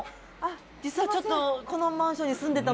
実はちょっと。